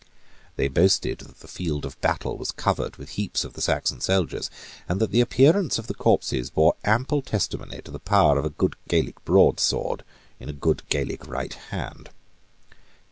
They boasted that the field of battle was covered with heaps of the Saxon soldiers, and that the appearance of the corpses bore ample testimony to the power of a good Gaelic broadsword in a good Gaelic right hand.